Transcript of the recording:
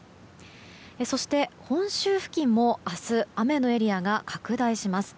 そして、本州付近も明日、雨のエリアが拡大します。